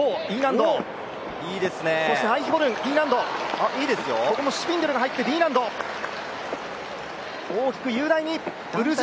アイヒホルン、Ｅ難度、ここもシュピンデルが入ってＥ難度大きく雄大に。